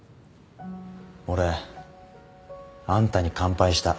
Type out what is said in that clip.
俺あんたに完敗した。